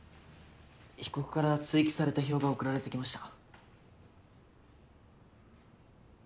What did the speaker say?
被告から追記された表が送られてきました。